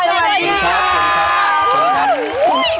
สวัสดีค่ะ